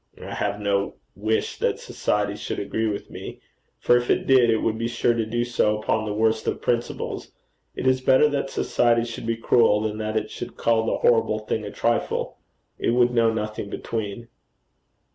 'I have no wish that society should agree with me; for if it did, it would be sure to do so upon the worst of principles. It is better that society should be cruel, than that it should call the horrible thing a trifle: it would know nothing between.'